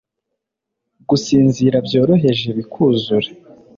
Gusinzira byoroheje bikuzura